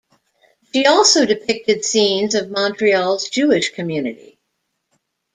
She also depicted scenes of Montreal's Jewish Community.